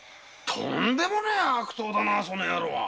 とんでもねぇ悪党だなその野郎は。